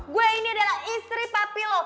gue ini adalah istri papi lo